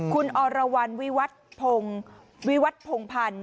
คุณอรวรรณวิวัตพงศ์วิวัตพงพันธ์